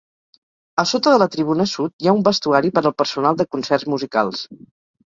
A sota de la tribuna sud hi ha un vestuari per al personal de concerts musicals.